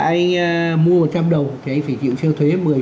anh mua một trăm linh đầu thì anh phải chịu siêu thuế một mươi